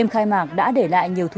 món ăn ở đây rất là đá dàng